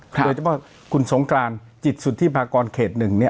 โดยเฉพาะคุณสงกรานจิตสุธิภากรเขต๑